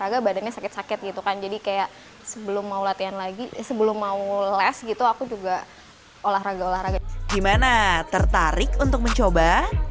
gimana tertarik untuk mencoba